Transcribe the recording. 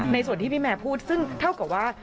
ในส่วนที่พี่แมร์พูดซึ่งเท่ากับว่า